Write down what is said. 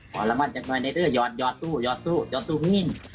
ขอรำวัติจากนายได้ด้วยยอดตู้ยอดตู้ยอดตู้หื้น